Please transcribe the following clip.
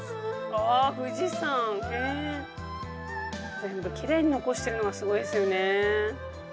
全部きれいに残してるのがすごいですよね。